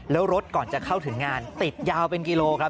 แล้วรถก่อนจะเข้าถึงงานติดยาวเป็นกิโลครับ